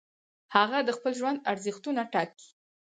هغه د خپل ژوند ارزښتونه ټاکي.